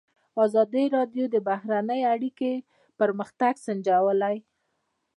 ازادي راډیو د بهرنۍ اړیکې پرمختګ سنجولی.